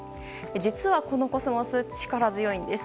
実はこのコスモス、力強いんです。